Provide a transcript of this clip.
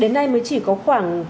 đến nay mới chỉ có khoảng